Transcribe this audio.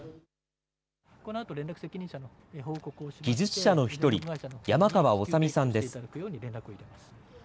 技術者の１人、山川治美さんです。